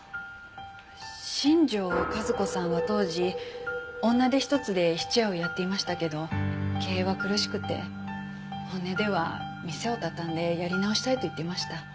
新庄和子さんは当時女手一つで質屋をやっていましたけど経営は苦しくて本音では店を畳んでやり直したいと言っていました。